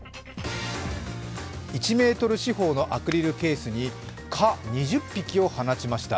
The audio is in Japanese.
１ｍ四方のアクリルケースに蚊２０匹を放ちました。